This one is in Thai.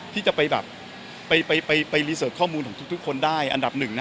ที่จะไปแบบไปรีเสิร์ฟข้อมูลของทุกคนได้อันดับหนึ่งนะ